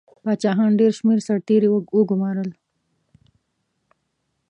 پاچاهانو ډېر شمېر سرتیري وګمارل.